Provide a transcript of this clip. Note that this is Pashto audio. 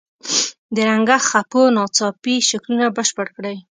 د رنګه خپو ناڅاپي شکلونه بشپړ کړئ.